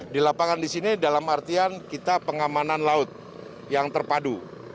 di lapangan di sini dalam artian kita pengamanan laut yang terpadu